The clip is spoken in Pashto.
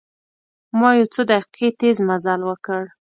ما یو څو دقیقې تیز مزل وکړ.